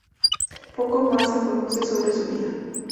Poco más se conoce sobre su vida.